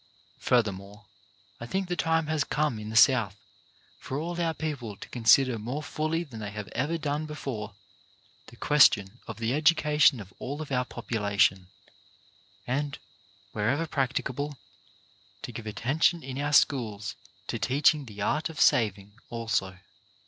" Furthermore, I think the time has come in the South for all our people to consider more fully than they have ever done before the ques tion of the education of all of our population; and, wherever practicable, to give attention in our schools to teaching the art of saving also."